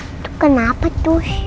itu kenapa cus